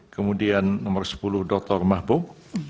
kemudian nomor sepuluh dr mahbub